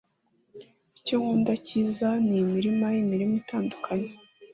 Icyo nkunda cyiza ni imirima yimirima itandukanye